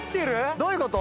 どういうこと？